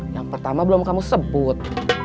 yang pertama belum kamu sebut